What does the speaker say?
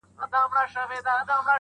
o اول سلام ،پسې اتام.